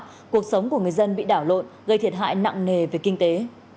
cuộc sống của người dân bị đảo lộn gây thiệt hại nặng nề về kinh tế